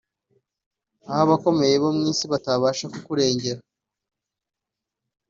Aho abakomeye bo mu Isi batabasha kukurengera